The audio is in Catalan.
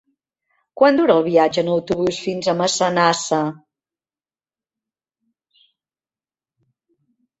Quant dura el viatge en autobús fins a Massanassa?